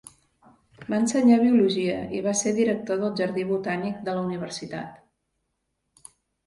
Va ensenyar biologia i va ser director del jardí botànic de la universitat.